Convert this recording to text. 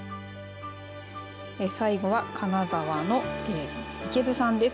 最後は金沢の池津さんです。